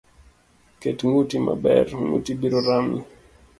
Ket nguti maber ,nguti biro Rami.